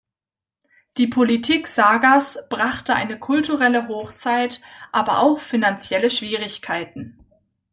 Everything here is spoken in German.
Die Politik Sagas brachte eine kulturelle Hochzeit, aber auch finanzielle Schwierigkeiten.